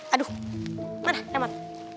aduh mana remat